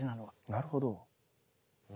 なるほど。